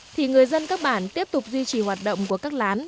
thì người dân các bản tiếp tục duy trì hoạt động của các lán